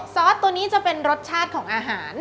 ซอสตัวนี้จะเป็นรสชาติของอาหาร